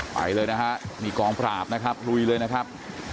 ไปเลยนะฮะนี่กองปราบนะครับลุยเลยนะครับ